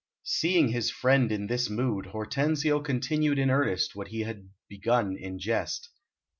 Seeing his friend in this mood, Hortensio continued in earnest what he had begun in jest.